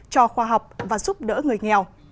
cho khoa học và giúp đỡ người nghèo